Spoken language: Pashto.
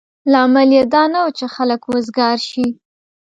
لامل یې دا نه و چې خلک وزګار شي.